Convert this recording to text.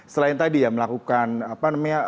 selain tadi ya melakukan apa namanya